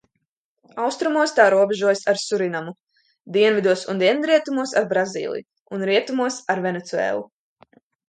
Austrumos tā robežojas ar Surinamu, dienvidos un dienvidrietumos ar Brazīliju un rietumos ar Venecuēlu.